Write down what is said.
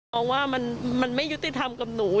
เพราะว่ามันไม่ยุติธรรมกับหนู